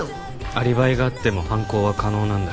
アリバイがあっても犯行は可能なんだ。